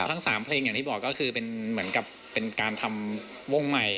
แล้วทั้ง๓เครื่องที่บอกที่ปล่อยก็เหมือนกับเป็นการทำวงใหม่